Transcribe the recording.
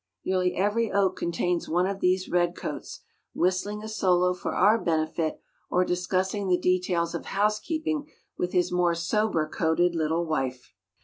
Nearly every oak contains one of these redcoats, whistling a solo for our benefit or discussing the details of housekeeping with his more sober coated little wife.